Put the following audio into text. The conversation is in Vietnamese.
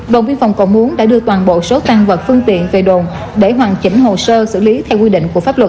đồng biên phòng cầu muốn đã đưa toàn bộ số tăng vật phương tiện về đồn để hoàn chỉnh hồ sơ xử lý theo quy định của pháp luật